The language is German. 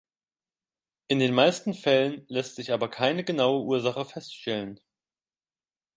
In den meisten Fällen lässt sich aber keine genaue Ursache feststellen.